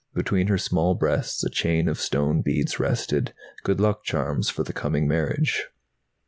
Between her small breasts a chain of stone beads rested, good luck charms for the coming marriage.